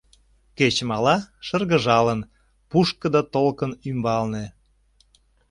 Кече мала, шыргыжалын, Пушкыдо толкын ӱмбалне.